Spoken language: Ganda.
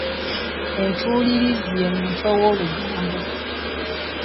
Entuulirizi ye muntu ow'olugambo.